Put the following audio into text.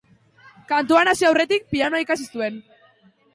Kantuan hasi aurretik, pianoa ikasi zuen.